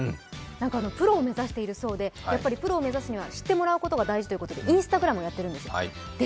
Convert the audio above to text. プロを目指しているそうでプロを目指すには知ってもらうことが大事ということでＩｎｓｔａｇｒａｍもやっているんですよ。